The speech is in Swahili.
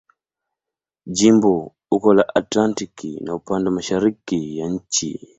Jimbo uko la Atlantiki na upande wa mashariki ya nchi.